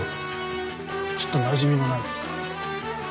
ちょっとなじみのない。